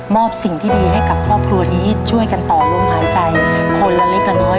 สิ่งที่ดีให้กับครอบครัวนี้ช่วยกันต่อลมหายใจคนละเล็กละน้อย